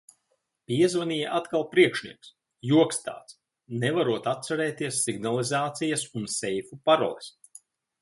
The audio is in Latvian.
Piezvanīja atkal priekšnieks, joks tāds. Nevarot atcerēties signalizācijas un seifu paroles.